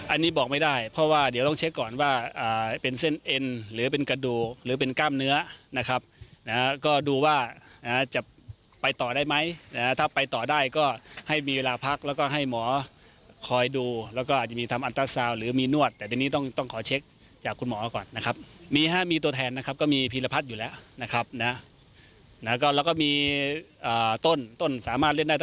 อันนี้บอกไม่ได้เพราะว่าเดี๋ยวต้องเช็คก่อนว่าเป็นเส้นเอ็นหรือเป็นกระดูกหรือเป็นกล้ามเนื้อนะครับนะฮะก็ดูว่าจะไปต่อได้ไหมนะฮะถ้าไปต่อได้ก็ให้มีเวลาพักแล้วก็ให้หมอคอยดูแล้วก็อาจจะมีทำอันตราซาวน์หรือมีนวดแต่ทีนี้ต้องต้องขอเช็คจากคุณหมอก่อนนะครับมีฮะมีตัวแทนนะครับก็มีพีรพัฒน์อยู่แล้วนะครับนะ